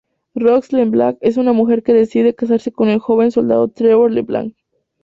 Roxy LeBlanc es una mujer que decide casarse con el joven soldado Trevor LeBlanc.